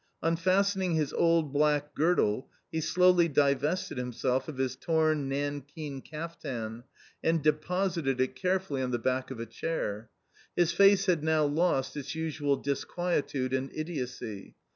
Unfastening his old black girdle, he slowly divested himself of his torn nankeen kaftan, and deposited it carefully on the back of a chair. His face had now lost its usual disquietude and idiocy.